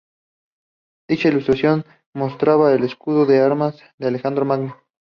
Dicha ilustración mostraba el escudo de armas de Alejandro Magno.